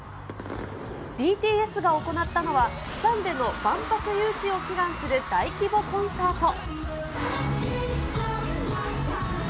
ＢＴＳが行ったのは、プサンでの万博誘致を祈願する大規模コンサート。